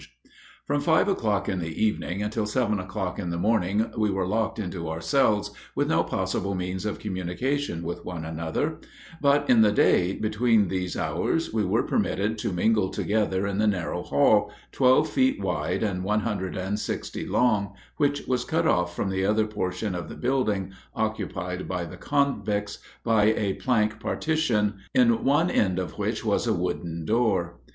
[Footnote 11: Condensed from "The Bivouac" of June, 1885.] From five o'clock in the evening until seven o'clock in the morning we were locked into our cells, with no possible means of communication with one another; but in the day, between these hours, we were permitted to mingle together in the narrow hall, twelve feet wide and one hundred and sixty long, which was cut off from the other portion of the building, occupied by the convicts, by a plank partition, in one end of which was a wooden door.